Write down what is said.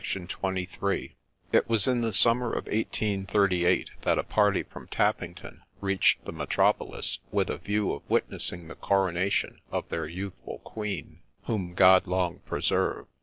— to tell your sad story I It was in the summer of 1838 that a party from Tappington reached the metropolis with a view of witnessing the coronation of their youthful Queen, whom God long preserve !